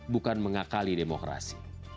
bukan mengakali demokrasi